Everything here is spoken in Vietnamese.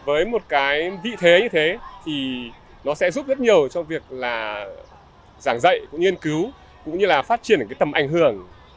với một cái vị thế như thế thì nó sẽ giúp rất nhiều cho việc là giảng dạy cũng nghiên cứu cũng như là phát triển cái tầm ảnh hưởng